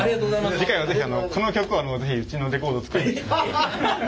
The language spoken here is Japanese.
次回は是非この曲をうちのレコードを作りに。